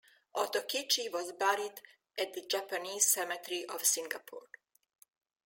Otokichi was buried at the Japanese Cemetery of Singapore.